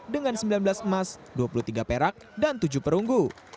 dengan sembilan belas emas dua puluh tiga perak dan tujuh perunggu